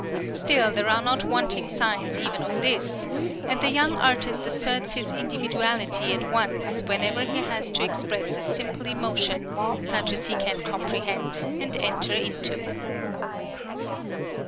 Still, there are not wanting signs even of this, and the young artist asserts his individuality at once whenever he has to express a simple emotion, such as he can comprehend and enter into.